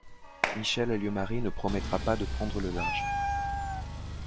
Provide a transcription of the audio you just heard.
Michèle Alliot-Marie ne promettra pas de prendre le large!